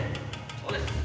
そうです。